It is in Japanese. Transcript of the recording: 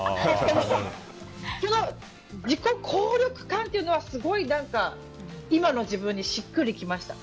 けど、自己効力感というのはすごい今の自分にしっくりきました。